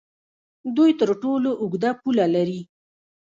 دوی تر ټولو اوږده پوله لري.